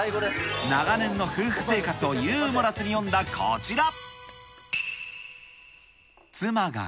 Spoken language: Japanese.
長年の夫婦生活をユーモラスに詠んだこちら。